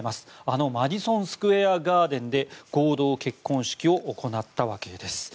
あのマディソン・スクエア・ガーデンで合同結婚式を行ったわけです。